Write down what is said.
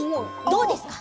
どうですか？